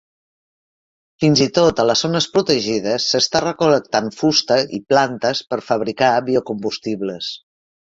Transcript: Fins i tot a les zones protegides s'està recol·lectant fusta i plantes per fabricar biocombustibles.